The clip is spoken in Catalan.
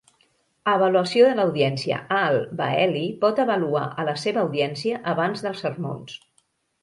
Avaluació de l'audiència: Al-Waeli pot avaluar a la seva audiència abans dels sermons.